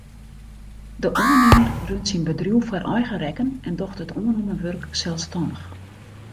De oannimmer runt syn bedriuw foar eigen rekken en docht it oannommen wurk selsstannich.